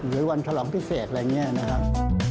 หรือวันฉลองพิเศษอะไรอย่างนี้นะครับ